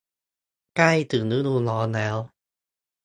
ใกล้ถึงฤดูร้อนแล้ว